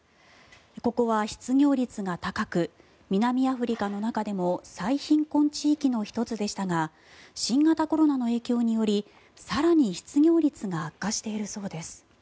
ここは失業率が高く南アフリカの中でも最貧困地域の１つでしたが新型コロナの影響により更に失業率が悪化しているそうです。